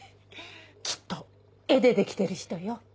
きっと絵で出来てる人よ。